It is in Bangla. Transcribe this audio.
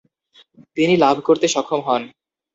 তিনি লাভ করতে সক্ষম হন।